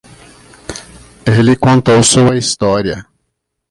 Ele contou sua história.